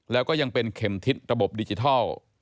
แล้วก็ยังเป็นเข็มทิศระบบดิจิทัล